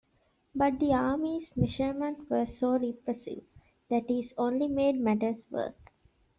But the army's measures were so repressive, that it only made matters worse.